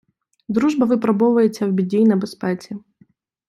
Дружба випробовується в біді й небезпеці.